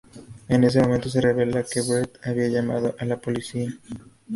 En ese momento, se revela que Bret había llamado a la policía.